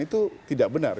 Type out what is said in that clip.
itu tidak benar